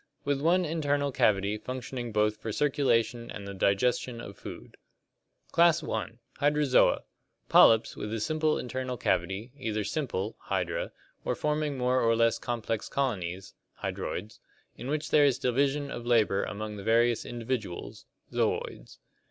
With one internal cavity functioning both for circulation and the digestion of food. Class I. Hydrozoa (Gr. v8o>/o, water, and £<t>ov, animal). Polyps with a simple internal cavity, either simple (Hydra) or forming more or less complex colonies (hydroids) in which there is division of labor among the various individuals (zooids).